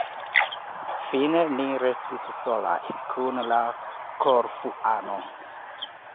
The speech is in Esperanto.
Fine ni restis solaj, kun la Korfuano.